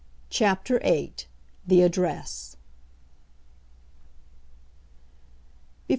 CHAPTER VIII. THE ADDRESS.